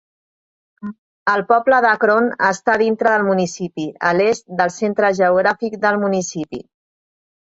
El poble d"Akron està dintre del municipi, a l"est del centre geogràfic del municipi.